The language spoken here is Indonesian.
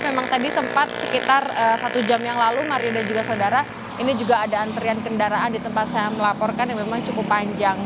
memang tadi sempat sekitar satu jam yang lalu mario dan juga saudara ini juga ada antrian kendaraan di tempat saya melaporkan yang memang cukup panjang